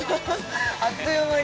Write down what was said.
◆あっという間に。